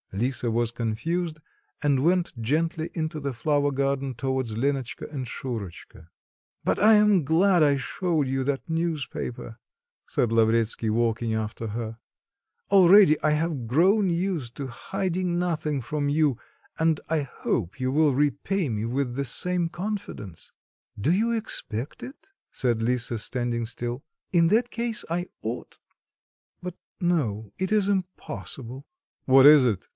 Lisa was confused, and went gently into the flower garden towards Lenotchka and Shurotchka. "But I am glad I showed you that newspaper," said Lavretsky, walking after her; "already I have grown used to hiding nothing from you, and I hope you will repay me with the same confidence." "Do you expect it?" said Lisa, standing still. "In that case I ought but no! It is impossible." "What is it?